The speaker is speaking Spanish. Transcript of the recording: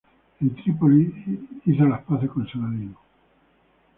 En Tripoli hizo las paces con Saladino.